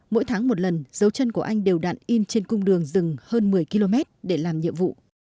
mỗi tháng một lần dấu chân của anh đều đạn in trên cung đường rừng hơn một mươi km để làm nhiệm vụ